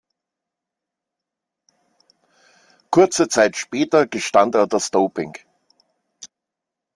Kurze Zeit später gestand er das Doping.